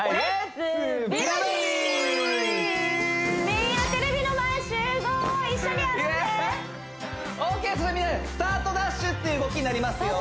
みんなでスタートダッシュっていう動きになりますよ